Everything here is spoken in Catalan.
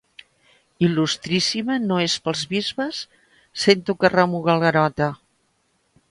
Il·lustríssima no és pels bisbes? —sento que remuga el Garota.